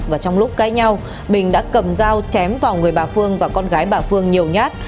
và trong lúc cãi nhau bình đã cầm dao chém vào người bà phương và con gái bà phương nhiều nhát